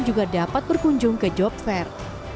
juga dapat berkunjung ke job fair